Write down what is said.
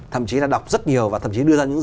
thậm chí là đọc rất nhiều và thậm chí đưa ra những